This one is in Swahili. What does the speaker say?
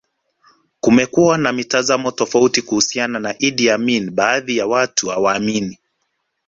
Kumekuwa na mitazamo tofauti kuhusiana na Idi Amin baadhi ya watu hawaamini